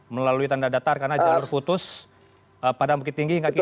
melalui tanah latar karena jalur putus padang bukit tinggi hingga kini